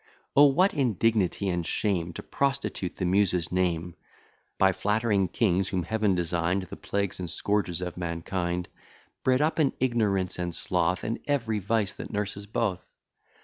O, what indignity and shame, To prostitute the Muses' name! By flattering kings, whom Heaven design'd The plagues and scourges of mankind; Bred up in ignorance and sloth, And every vice that nurses both.